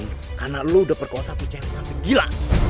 karena lo udah perkosa tuh cewek sampe gila